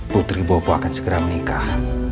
putri bobo akan segera menikah